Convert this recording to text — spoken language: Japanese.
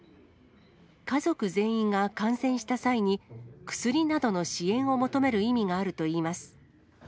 家族全員が感染した際に、薬などの支援を求める意味があるといいます。